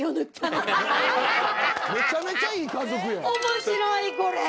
面白いこれ！